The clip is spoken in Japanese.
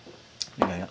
いやいや。